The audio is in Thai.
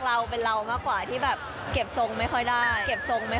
แล้วเป็นเรามักกว่าที่เก็บทรงไม่ค่อยได้